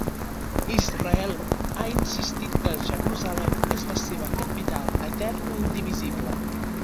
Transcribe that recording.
Israel ha insistit que Jerusalem és la seva capital eterna i indivisible.